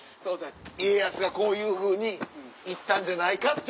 家康がこういうふうに行ったんじゃないかっていう？